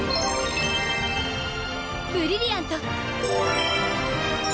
ブリリアント！